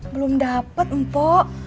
belum dapet mpo